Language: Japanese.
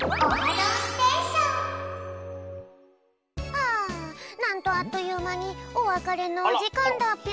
ああなんとあっというまにおわかれのおじかんだぴょん。